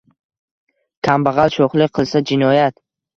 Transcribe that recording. Kambag’al sho’xlik qilsa-jinoyat.